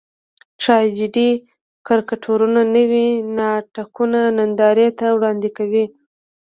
ټراجېډي کرکټرونه نوي ناټکونه نندارې ته وړاندې کوي.